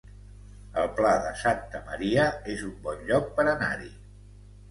El Pla de Santa Maria es un bon lloc per anar-hi